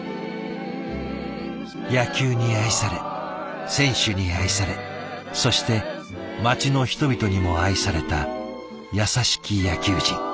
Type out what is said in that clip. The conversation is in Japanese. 野球に愛され選手に愛されそして町の人々にも愛された優しき野球人。